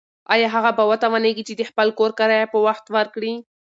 ایا هغه به وتوانیږي چې د خپل کور کرایه په وخت ورکړي؟